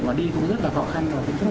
mà đi cũng rất là khó khăn